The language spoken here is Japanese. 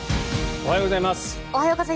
おはようございます。